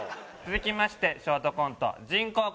続きましてショートコント「人工呼吸」。